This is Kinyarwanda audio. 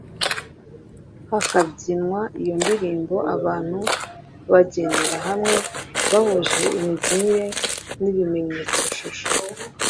hakabyinwa iyo ndirimbo abantu bagendera hamwe bahuje imibyinire n’ibimenyetso-shusho